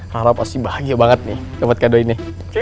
rara pasti bahagia banget nih dapat kado ini